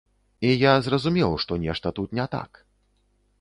І я зразумеў, што нешта тут не так.